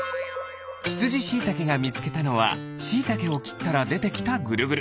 ひつじしいたけがみつけたのはしいたけをきったらでてきたぐるぐる。